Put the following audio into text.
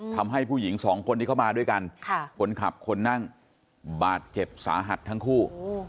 ทำให้ผู้หญิงสองคนที่เข้ามาด้วยกันคนขับคนนั่งบาดเจ็บสาหัสทั้งคู่